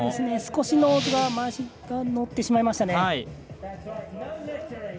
少しノーズが乗ってしまいましたね。